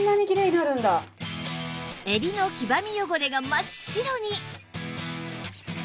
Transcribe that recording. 襟の黄ばみ汚れが真っ白に！